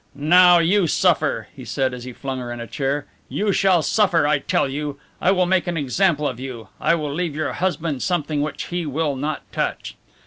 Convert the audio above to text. "Now you suffer!" he said, as he flung her in a chair. "You shall suffer, I tell you! I will make an example of you. I will leave your husband something which he will not touch!"